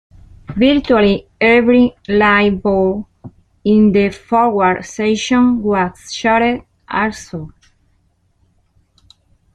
Virtually every light bulb in the forward section was shattered also.